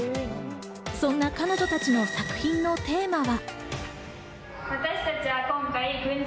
そんな彼女たちの作品のテーマは？